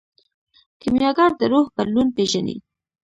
کیمیاګر د روح بدلون پیژني.